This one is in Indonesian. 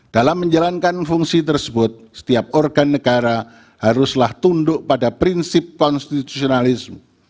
dalam menjalankan fungsi tersebut setiap organ negara haruslah tunduk pada prinsip konstitusionalisme